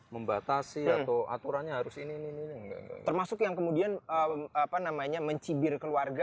membatasi atau aturannya harus ini ini termasuk yang kemudian apa namanya mencibir keluarga